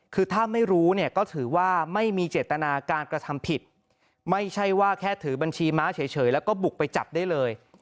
คือถ้าไม่รู้เนี่ยก็ถือว่าไม่มีเจตนาการกระทำผิดไม่ใช่ว่าแค่ถือบัญชีม้าเฉยแล้วก็บุกไปจับได้เลย